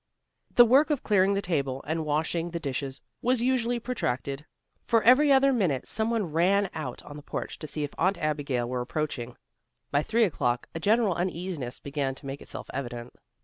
The work of clearing the table and washing the dishes was usually protracted, for every other minute some one ran out on the porch to see if Aunt Abigail were approaching. By three o'clock a general uneasiness began to make itself evident.